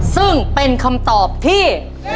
ซึ่งเป็นคำตอบที่